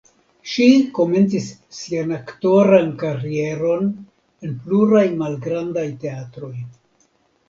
Ŝi komencis sian aktoran karieron en pluraj malgrandaj teatroj.